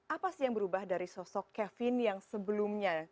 apa sih yang berubah dari sosok kevin yang sebelumnya